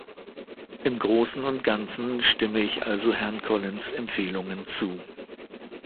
Im großen und ganzen stimme ich also Herrn Collins Empfehlungen zu.